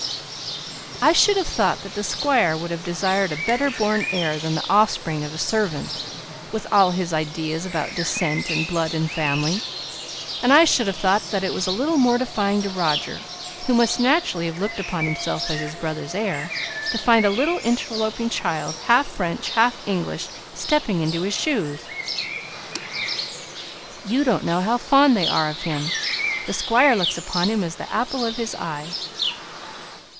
"I should have thought that the Squire would have desired a better born heir than the offspring of a servant, with all his ideas about descent and blood and family. And I should have thought that it was a little mortifying to Roger who must naturally have looked upon himself as his brother's heir to find a little interloping child, half French, half English, stepping into his shoes!" "You don't know how fond they are of him, the Squire looks upon him as the apple of his eye."